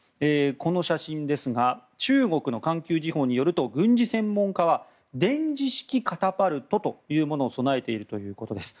この写真ですが中国の環球時報によると軍事専門家は電磁式カタパルトというものを備えているということです。